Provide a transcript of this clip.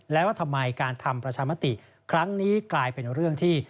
แล้วว่าทำไมการทำประชามติครั้งนี้กลายเป็นเรื่องที่